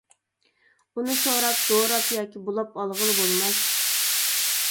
ئۇنى سوراپ، دوراپ ياكى بۇلاپ ئالغىلى بولماس.